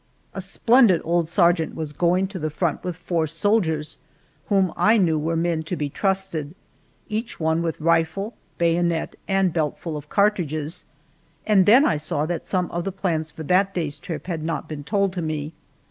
A splendid old sergeant was going to the front with four soldiers, whom I knew were men to be trusted, each one with rifle, bayonet, and belt full of cartridges, and then I saw that some of the plans for that day's trip had not been told to me.